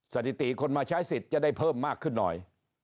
สถิติคนมาใช้สิทธิ์จะได้เพิ่มมากขึ้นหน่อย